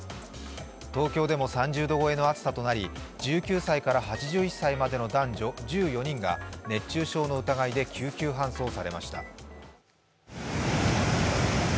東京でも３０度超えの暑さとなり１９歳から８１歳までの男女１４人が熱中症の疑いで救急搬送されました。